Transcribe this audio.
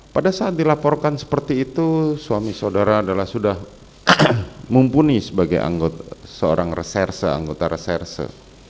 pada saat dilaporkan seperti itu suami saudara adalah sudah mumpuni sebagai anggota reserse